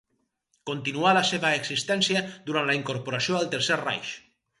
Continuà la seva existència durant la incorporació al Tercer Reich.